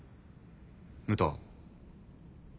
武藤